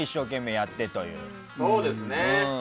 そうですね。